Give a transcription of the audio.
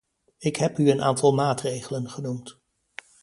Ik heb u een aantal maatregelen genoemd.